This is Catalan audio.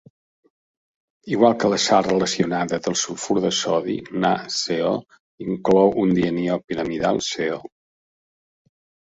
Igual que la sal relacionada del sulfur de sodi, NaSeO inclou un dianiò piramidal SeO.